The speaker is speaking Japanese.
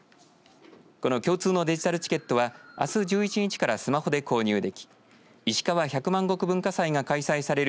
この共通のデジタルチケットはあす１１日からスマホで購入できいしかわ百万石文化祭が開催される